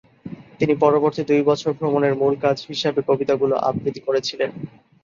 তিনি পরবর্তী দুই বছর ভ্রমণের মূল কাজ হিসাবে কবিতাগুলো আবৃত্তি করেছিলেন।